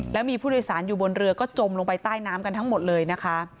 แล้วมีผู้โดยสารอยู่บนเรือก็จมลงไปใต้น้ำกันทั้งหมดเลยนะคะ